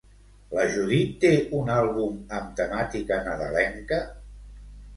La Judit té un àlbum amb temàtica nadalenca?